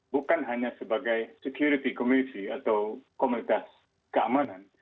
bukan hanya sebagai security committee atau komunitas keamanan